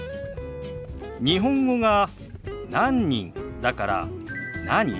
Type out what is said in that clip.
日本語が「何人」だから「何？」